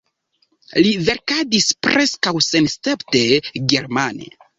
Li verkadis preskaŭ senescepte germane.